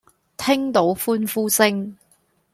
聽到歡呼聲